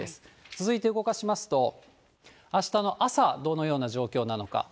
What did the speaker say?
続いて動かしますと、あしたの朝、どのような状況なのか。